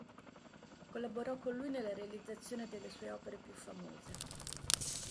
Collaborò con lui nella realizzazione delle sue opere più famose.